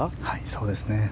そうですね。